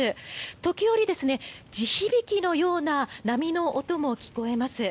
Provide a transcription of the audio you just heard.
時折、地響きのような波の音も聞こえます。